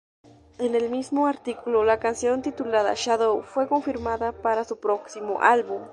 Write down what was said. En el mismo artículo, la canción titulada "Shadow" fue confirmada para su próximo álbum.